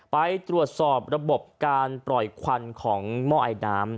ไปตรวจสอบระบบการปล่อยควันของหม้อไอน้ำ